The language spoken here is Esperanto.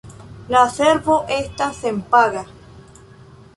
La servo estas senpaga.